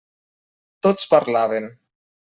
Tots parlaven.